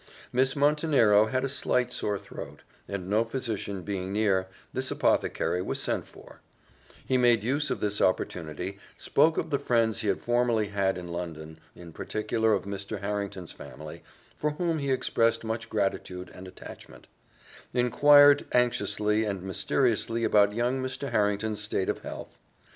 Miss Montenero had a slight sore throat, and no physician being near, this apothecary was sent for; he made use of this opportunity, spoke of the friends he had formerly had in London, in particular of Mr. Harrington's family, for whom he expressed much gratitude and attachment; inquired anxiously and mysteriously about young Mr. Harrington's state of health.